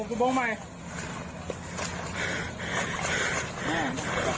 จับได้หมดก่อน